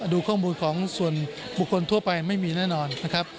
ดูข้อมูลของส่วนบุคคลทั่วไปไม่มีแน่นอนนะครับ